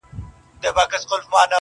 جارچي خوله وه سمه كړې و اعلان ته؛